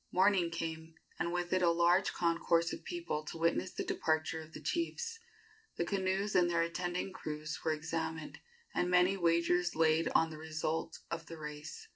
Morning came, and with it a large concourse of people to witness the departure of the chiefs. The canoes and their attending crews were examined, and many wagers laid on the result of the race.